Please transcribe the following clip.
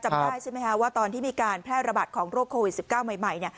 ได้ใช่ไหมคะว่าตอนที่มีการแพร่ระบาดของโรคโควิด๑๙ใหม่